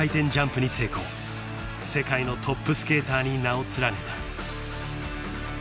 ［世界のトップスケーターに名を連ねた］